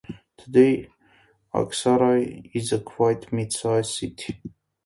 Today Aksaray is a quiet mid-size city.